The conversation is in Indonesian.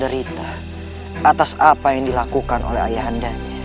sebelah kesalahan yang ayahku lakukan